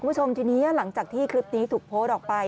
คุณผู้ชมทีนี้หลังจากที่คลิปนี้ถูกโพสต์ออกไป